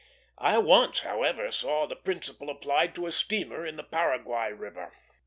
I once, however, saw the principle applied to a steamer in the Paraguay River.